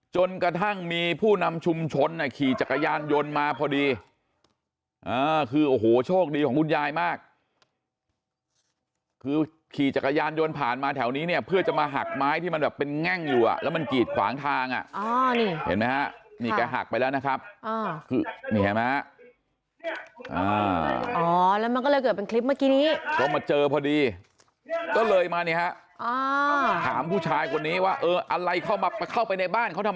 ชุมชนอ่ะขี่จักรยานยนต์มาพอดีอ่าคือโอ้โหโชคดีของบุญยายมากคือขี่จักรยานยนต์ผ่านมาแถวนี้เนี่ยเพื่อจะมาหักไม้ที่มันแบบเป็นแง่งอยู่อ่ะแล้วมันกีดขวางทางอ่ะอ๋อนี่เห็นไหมฮะนี่แกหักไปแล้วนะครับอ่าคือนี่เห็นไหมฮะอ่าอ๋อแล้วมันก็เลยเกิดเป็นคลิปเมื่อกี้นี้ก็มาเจอพอดีก็เลยมาเนี้